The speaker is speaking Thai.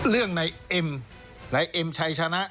เรื่องนายเอ็มนายเอ็มชายชนะ